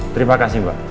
terima kasih mbak